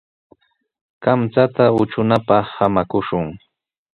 Kamchata utrunapaq samakushun.